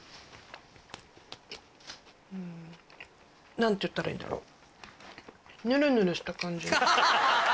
何て言ったらいいんだろう？